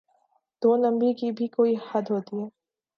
دو نمبری کی بھی کوئی حد ہوتی ہے۔